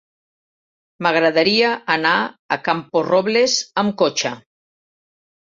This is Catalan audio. M'agradaria anar a Camporrobles amb cotxe.